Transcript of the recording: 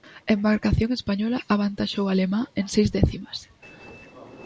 A embarcación española avantaxou a alemá en seis décimas.